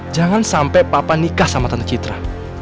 jangan sampai papa nikah sama tante citra